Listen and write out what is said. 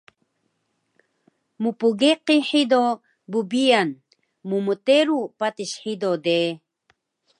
Mpgeqi hido bbiyan mmteru patis hido de